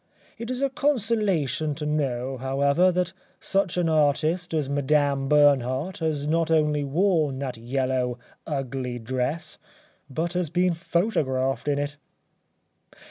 It is a consolation to know, however, that such an artist as Madame Bernhardt has not only worn that yellow, ugly dress, but has been photographed in it.